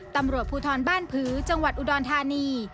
ตำรวจภูทรบ้านผือจังหวัดอุดรธานี